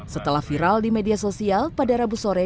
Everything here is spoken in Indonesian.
setelah viral di media sosial pada rabu sore